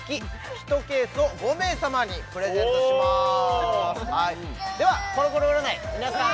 １ケースを５名様にプレゼントしますではコロコロ占い皆さん